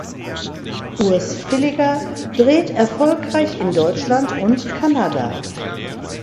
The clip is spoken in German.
Urs Villiger dreht erfolgreich in Deutschland und Kanada.